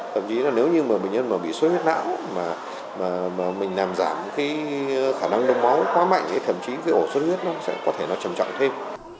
thậm chí là nếu như mà bệnh nhân bị xuất huyết não mà mình làm giảm cái khả năng đốt máu quá mạnh thì thậm chí cái ổ xuất huyết nó sẽ có thể nó trầm trọng thêm